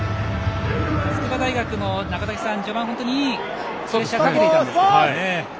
筑波大学も序盤はいいプレッシャーをかけていたんですけどね。